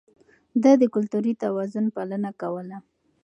ده د کلتوري توازن پالنه کوله.